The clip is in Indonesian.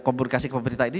komunikasi ke pemerintah ini